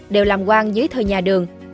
đều làm quang dưới thời nhà đường